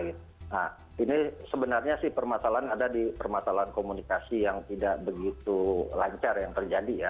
nah ini sebenarnya sih permasalahan ada di permasalahan komunikasi yang tidak begitu lancar yang terjadi ya